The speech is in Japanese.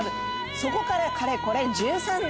そこからかれこれ１３年。